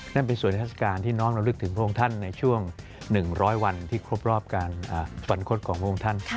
นั่นเป็นส่วนราชการที่น้องเราลึกถึงพระองค์ท่านในช่วง๑๐๐วันที่ครบรอบการสวรรคตของพระองค์ท่าน